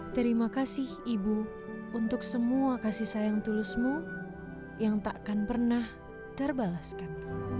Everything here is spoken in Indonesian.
terima kasih ibu untuk semua kasih sayang tulusmu yang tak akan pernah terbalaskan